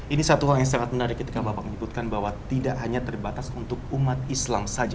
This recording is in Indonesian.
ini satu hal yang sangat menarik ketika bapak menyebutkan bahwa tidak hanya terbatas untuk umat islam saja